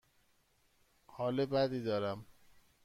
حال بدی دارم.